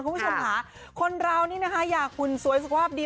คุณผู้ชมค่ะคนเรานี่นะคะอยากหุ่นสวยสุขภาพดี